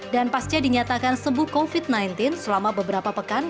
dan paskanya dinyatakan sebuah covid sembilan belas selama beberapa pekan